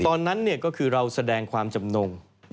ตอนนั้นก็คือเราแสดงความจำนง